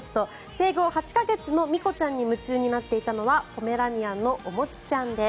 生後８か月の心虹ちゃんに夢中になっていたのはポメラニアンのおもちちゃんです。